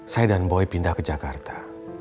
saya dan boy pindah ke jakarta